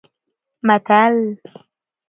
متل: